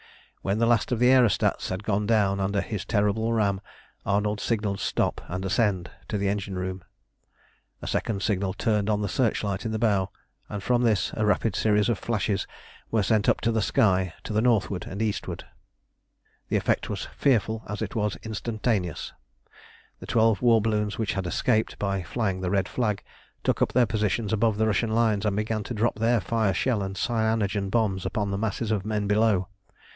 When the last of the aerostats had gone down under his terrible ram, Arnold signalled "Stop, and ascend," to the engine room. A second signal turned on the searchlight in the bow, and from this a rapid series of flashes were sent up to the sky to the northward and eastward. [Illustration: "Her ram had passed completely through the gasholder." See page 334.] The effect was as fearful as it was instantaneous. The twelve war balloons which had escaped by flying the red flag took up their positions above the Russian lines, and began to drop their fire shell and cyanogen bombs upon the masses of men below.